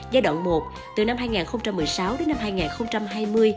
giai đoạn một từ năm hai nghìn một mươi sáu đến năm hai nghìn hai mươi